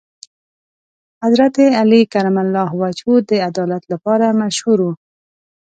حضرت علی کرم الله وجهه د عدالت لپاره مشهور و.